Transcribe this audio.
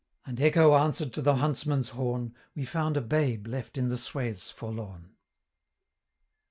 And Echo answered to the huntsman's horn, We found a babe left in the swaths forlorn.